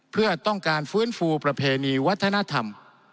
เพื่อต้องการฟื้นฟูประเพณีวัฒนธรรม